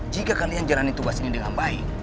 jika kalian jalani tugas ini dengan baik